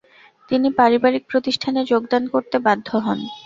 তিনি পারিবারিক প্রতিষ্ঠানে যোগদান করতে বাধ্য হন।